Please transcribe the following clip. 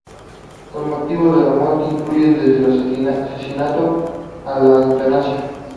Los motivos de la muerte incluyen desde el asesinato a la eutanasia.